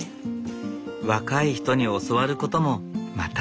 若い人に教わることもまた楽しい。